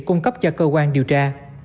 cung cấp cho cơ quan điều tra